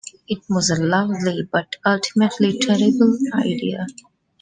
It was a lovely but ultimately terrible idea.